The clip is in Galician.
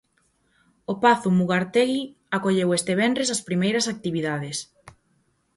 O Pazo Mugartegui acolleu este venres as primeiras actividades.